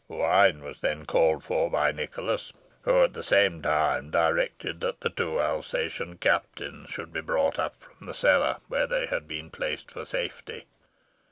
Wine was then called for by Nicholas, who, at the same time, directed that the two Alsatian captains should be brought up from the cellar, where they had been placed for safety.